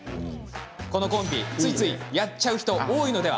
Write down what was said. このコンビついついやっちゃう人多いのでは？